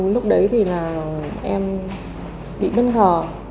lúc đấy thì là em bị bất ngờ